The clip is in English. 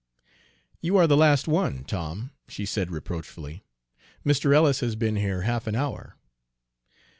"You are the last one, Tom," she said reproachfully. "Mr. Ellis has been here half an hour."